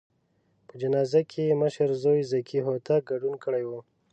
په جنازه کې یې مشر زوی ذکي هوتک ګډون کړی و.